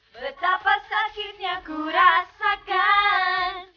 betapa sakitnya ku rasakan